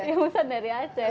yang pesan dari aceh